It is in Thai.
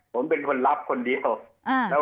ผมเป็นคนรับคนเดียว